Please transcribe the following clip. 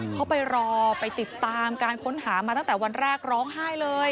เขาไปรอไปติดตามการค้นหามาตั้งแต่วันแรกร้องไห้เลย